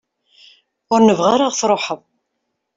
Ur nebɣa ara ad ɣ-truḥeḍ.